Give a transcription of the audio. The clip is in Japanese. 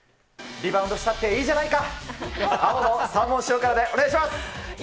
リバウンドしたっていいじゃないか。